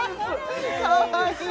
かわいい！